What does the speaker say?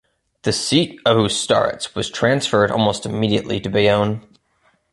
The seat of Ustaritz was transferred almost immediately to Bayonne.